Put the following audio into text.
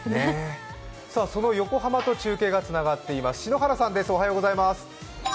その横浜と中継がつながっています、篠原さん。